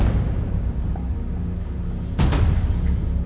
เลือกเลือกเลือก